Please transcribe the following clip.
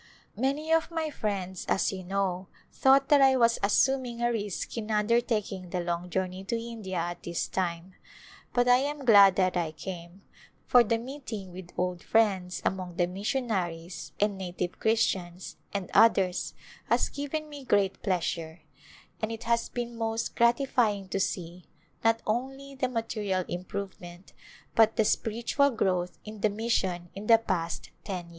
Many of my friends, as you know, thought that I was assuming a risk in undertaking the long journey to India at this time, but I am glad that I came, for the meeting with old friends among the missionaries and native Christians and others has given me great pleasure, and it has been most gratifying to see, not only the material improvement but the spiritual growth in the mission in the past ten years.